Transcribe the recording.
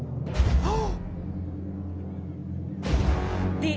ああ！